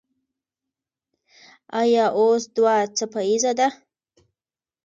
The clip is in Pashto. ایا اوس دوه څپیزه ده؟